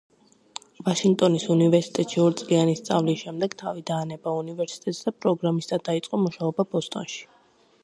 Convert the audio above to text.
ვაშინგტონის უნივერსიტეტში ორწლიანი სწავლის შემდეგ თავი დაანება უნივერსიტეტს და პროგრამისტად დაიწყო მუშაობა ბოსტონში.